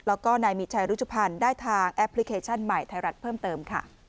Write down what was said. แล้วก็นายมีชัยรุชุพันธ์ได้ทางแอปพลิเคชันใหม่ไทยรัฐเพิ่มเติมค่ะ